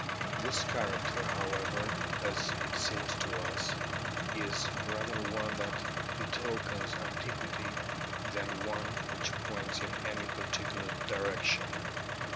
This character, however, as it seems to us, is rather one that betokens antiquity than one which points in any particular direction.